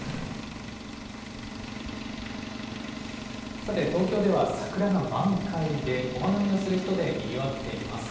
さて、東京では桜が満開で、お花見をする人でにぎわっています。